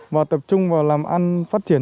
và tập trung vào làm ăn phát triển